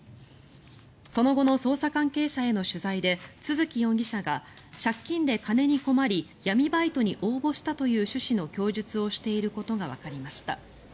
その後の捜査関係者への取材で都築容疑者が借金で金に困り闇バイトに応募したという趣旨の供述をしていることがわかりました。